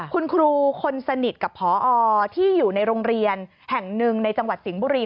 คุณครูคนสนิทกับพอที่อยู่ในโรงเรียนแห่งหนึ่งในจังหวัดสิงห์บุรี